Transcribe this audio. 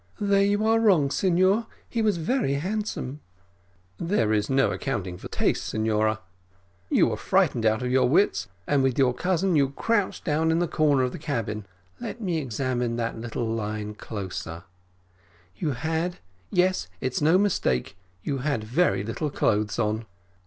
"There you are wrong, signor; he was very handsome." "There is no accounting for taste, signora; you were frightened out of your wits, and with your cousin you crouched down in the corner of the cabin. Let me examine that little line closer you had yes, it's no mistake, you had very little clothes on."